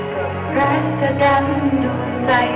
ขอบคุณทุกเรื่องราว